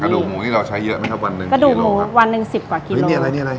ดูหมูนี่เราใช้เยอะไหมครับวันหนึ่งกระดูกหมูวันหนึ่งสิบกว่ากิโลนี่อะไรนี่อะไร